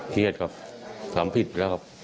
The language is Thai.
เครียดครับทำผิดแล้วครับ